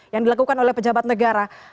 yang dilakukan oleh pejabat negara